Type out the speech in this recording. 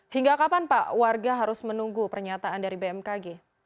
hingga kapan pak warga harus menunggu pernyataan dari bmkg